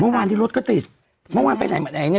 เมื่อวานที่รถก็ติดเมื่อวานไปไหนมาไหนเนี่ย